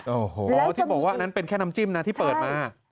โอ้โหอ๋อที่บอกว่าอันนั้นเป็นแค่น้ำจิ้มนะที่เปิดมา